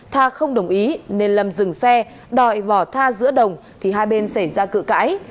tha không đồng ý nên lâm dừng xe đòi vỏ tha giữa đồng thì hai bên xảy ra cự cãi